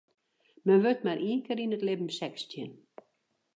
Men wurdt mar ien kear yn it libben sechstjin.